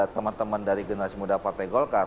teman teman dari generasi muda partai golkar